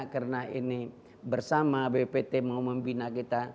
karena ini bersama bppt mau membina kita